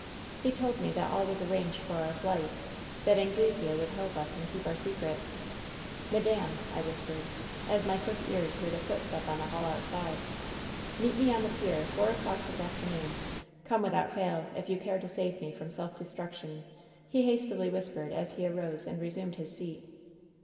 He told me that all was arranged for our flight. That Anglesea would helj^ us and keep our secret. " ^Madame !' I whispered, as my quick ears heard a footstep on the hall outside. " *Meet me on the pier — four o'clock this afternoon. Come without fail, if you care to save me from self destruction !' he hastily whispered, as he arose and re sumed his seat.